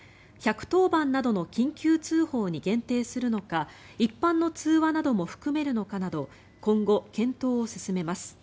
１１０番などの緊急通報に限定するのか一般の通話なども含めるのかなど今後、検討を進めます。